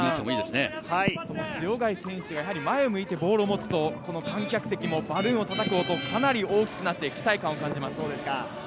塩貝選手が前向いてボールを持つと、観客席もバルーンをたたく音、かなり大きくなって、期待感を感じます。